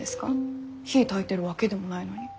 火たいてるわけでもないのに。